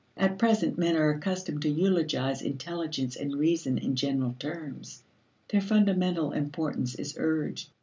At present men are accustomed to eulogize intelligence and reason in general terms; their fundamental importance is urged.